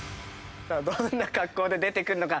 どんな格好で出てくるのか。